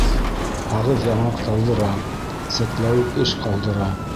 Һағыҙ яңаҡ талдыра, сәтләүек эш ҡалдыра.